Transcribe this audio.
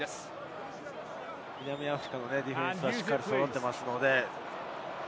南アフリカのディフェンスはしっかり揃っています。